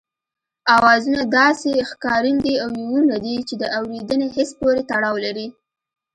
آوازونه داسې ښکارندې او يوونونه دي چې د اورېدني حس پورې تړاو لري